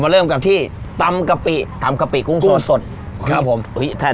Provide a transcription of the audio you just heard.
ขออนุญาตถอนแม้ดีกว่า